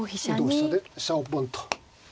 同飛車で飛車をブンと。